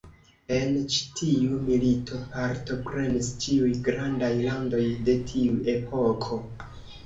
En ĉi tiu milito partoprenis ĉiuj grandaj landoj de tiu epoko.